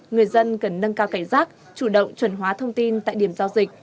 người dân cần nâng cao cải rác chủ động chuẩn hóa thông tin tại điểm giao dịch